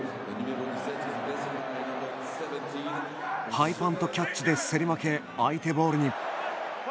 ハイパントキャッチで競り負け相手ボールに。